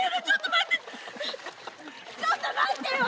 ちょっと待って！